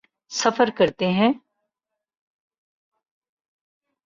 سفر کرتے ہیں۔